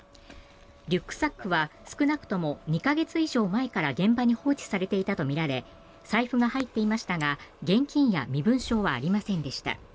リュックサックは少なくとも２か月以上前から現場に放置されていたとみられ財布が入っていましたが現金や身分証はありませんでした。